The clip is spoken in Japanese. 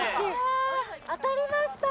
ああ当たりました。